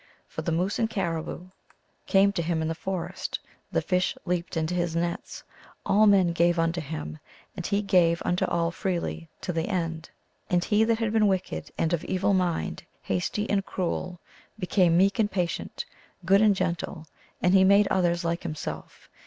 For the moose and caribou came GLOOSKAP THE DIVINITY. 103 to him in the forest, the fish leaped into his nets, all men gave unto him, and he gave unto all freely, to the end. And he that had been wicked and of evil mind, hasty and cruel, became meek and patient, good and gentle, and he made others like himself.